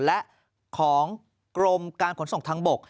และของกรมการขนส่งทางบก